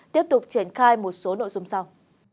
tiếp tục triển khai một số nội dung sau